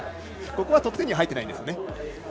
ここは得点には入っていないんですよね。